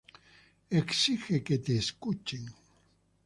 Exige que te escuchen.